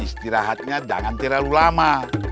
istirahatnya jangan terlalu lama